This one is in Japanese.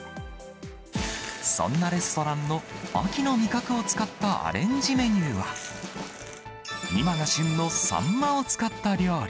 そんなレストランの秋の味覚を使ったアレンジメニューは、今が旬のサンマを使った料理。